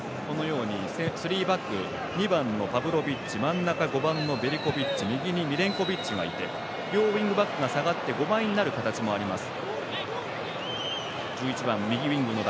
スリーバック２番のパブロビッチ真ん中５番のベリコビッチがいて右にミレンコビッチがいて両ウィングバックが下がって５枚になる形もあります。